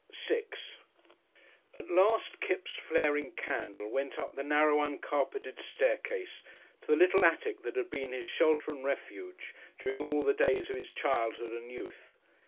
§6 At last Kipps' flaring candle went up the narrow uncarpeted staircase to the little attic that had been his shelter and refuge during all the days of his childhood and youth.